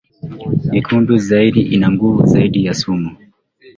nyekundu zaidi ina nguvu zaidi ya sumu